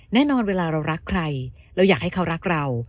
แน่นอนเวลาเรารักใครเราอยากให้เขารักเรา